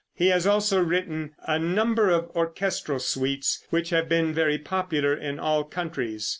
He has also written a number of orchestral suites which have been very popular in all countries.